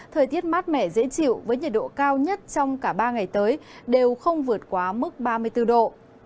thời tiết mát mẻ dễ chịu với nhiệt độ cao nhất trong cả ba ngày tới đều không vượt quá mức ba mươi bốn độ